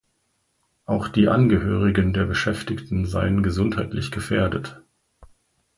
Auch die Angehörigen der Beschäftigten seien gesundheitlich gefährdet.